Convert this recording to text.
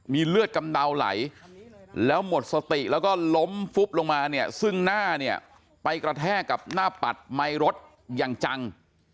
มีเลือดกำเดาไหลแล้วหมดสติแล้วก็ล้มฟุบลงมาเนี่ยซึ่งหน้าเนี่ยไปกระแทกกับหน้าปัดไมค์รถอย่างจัง